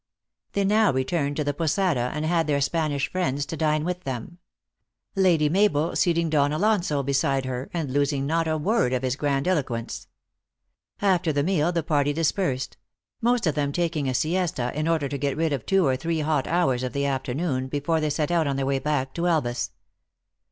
They now returned to the posada and had their Spanish friends to dine with them Lady Mabel seat ing Don Alonso beside her, and losing not a word of his grandiloquence. After the meal the party dis persed most of them taking a siesta in order to get THE ACTRESS IN HIGH LIFE. 297 rid of two or three hot hours of the afternoon before they set out on their way back to Elvas.